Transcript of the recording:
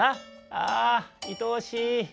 ああいとおしい」。